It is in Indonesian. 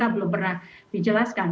belum pernah dijelaskan